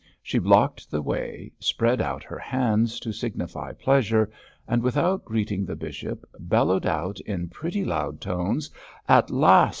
She blocked the way, spread out her hands to signify pleasure, and, without greeting the bishop, bellowed out in pretty loud tones, 'At last!